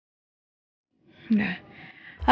aku harus jaga mereka